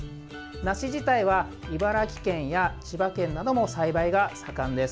梨自体は茨城県や千葉県なども栽培が盛んです。